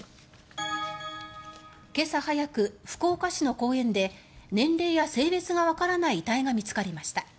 今朝早く、福岡市の公園で年齢や性別がわからない遺体が見つかりました。